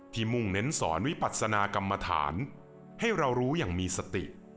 มุ่งเน้นสอนวิปัศนากรรมฐานให้เรารู้อย่างมีสติ